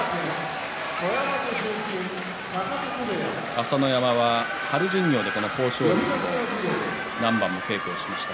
朝乃山は春巡業でこの豊昇龍と何番も稽古をしました。